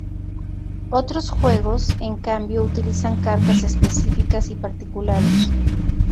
Otros juegos, en cambio, utilizan cartas específicas y particulares.